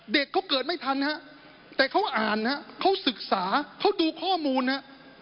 เด็กเขาเกิดไม่ทันฮะแต่เขาอ่านฮะเขาศึกษาเขาดูข้อมูลนะฮะ